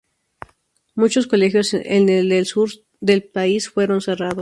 Muchos colegios en el del sur del país fueron cerrados.